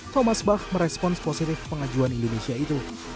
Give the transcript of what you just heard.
thomas bach merespons positif pengajuan indonesia itu